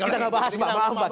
kita gak mau bahas maaf pak